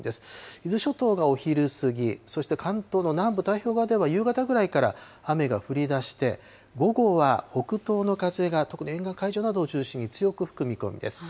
伊豆諸島がお昼過ぎ、そして関東の南部、太平洋側では夕方ぐらいから雨が降りだして、午後は北東の風が、特に沿岸海上などを中心に強く吹く見込みです。